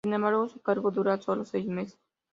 Sin embargo, su cargo dura solo seis meses.